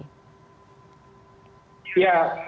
ya pertama soal kominfo